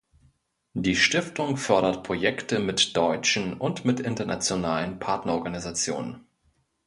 Die Stiftung fördert Projekte mit deutschen und mit internationalen Partnerorganisationen.